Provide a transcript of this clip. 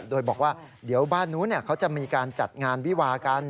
โดยบอกว่าเดี๋ยวบ้านนู้นเขาจะมีการจัดงานวิวากัน